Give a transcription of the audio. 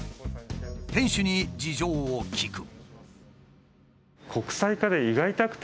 店主に事情を聞く。